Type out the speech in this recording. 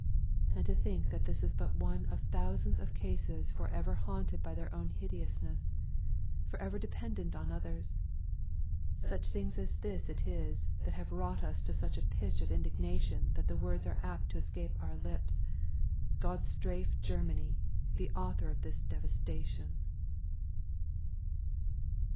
And to think that this is but one of thousands of cases for ever haunted by their own hideousness, for ever dependent on others. Such things as this it is that have wrought us to such a pitch of indignation that the words are apt to escape our lips, "God strafe Germany, the author of this devastation!"